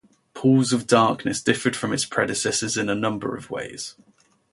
"Pools of Darkness" differed from its predecessors in a number of ways.